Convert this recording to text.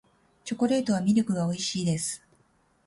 チョコレートはミルクが美味しいです